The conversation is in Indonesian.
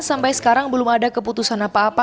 sampai sekarang belum ada keputusan apa apa